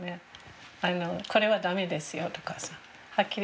「これは駄目ですよ」とかはっきり。